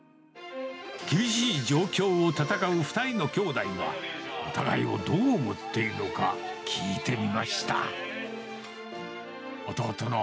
厳しい状況を戦う２人の兄弟は、お互いをどう思っているのか、聞いてみました。